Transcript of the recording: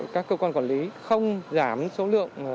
các cơ quan quản lý không giảm số lượng